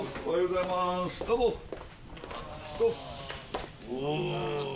おはようございますおぉ！